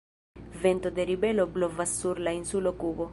Vento de ribelo blovas sur la insulo Kubo.